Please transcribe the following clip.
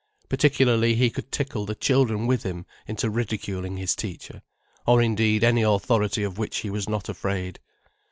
Particularly he could tickle the children with him into ridiculing his teacher, or indeed, any authority of which he was not afraid.